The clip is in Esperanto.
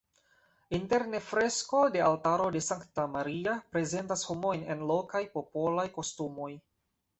Interne fresko de altaro de Sankta Maria prezentas homojn en lokaj popolaj kostumoj.